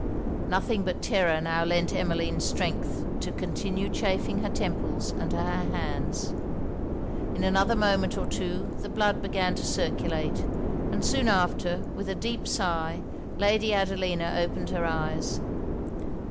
Nothing but terror now lent Emmeline strength to continue chafing her temples and her hands. In another moment or two the blood began to circulate; and soon after, with a deep sigh, Lady Adelina opened her eyes.